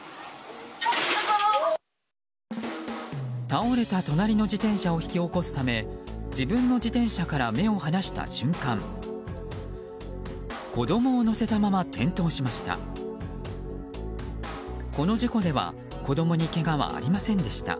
倒れた隣の自転車を引き起こすため自分の自転車から目を離した瞬間子供を乗せたまま転倒しました。